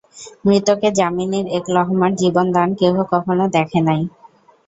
মৃতকে যামিনীর এক লহমার জীবন দান কেহ কখনো দ্যাখে নাই।